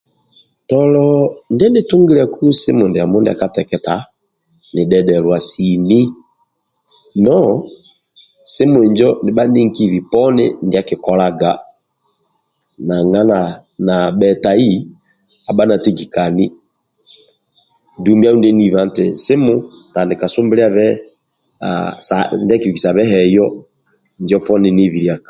Tolo ndieni tungilyaku simu ndiamo ndia kateketa nidhedhelwa sini no simu injo yeni kihibhi poni ndialiku nanga na bhetai aba na tigikani dumbi andulu ndyelibha nti simu tandika sumbilyabe ndia kibikisabhe heyo njo poni nihibilia